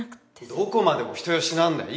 どこまでお人よしなんだよ。